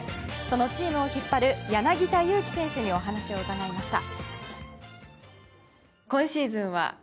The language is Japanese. そのチームを引っ張る柳田悠岐選手にお話を伺いました。